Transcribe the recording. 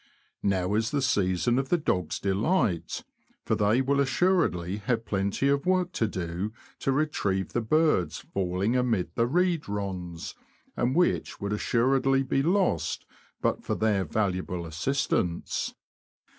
Now is the season of the dogs' delight, for they will assuredly have plenty of work to do to retrieve the birds falling amid the reed ronds, and which would assuredly be lost but for their valuable assistance.